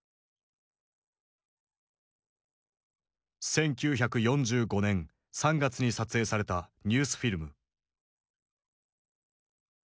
１９４５年３月に撮影されたニュースフィルム。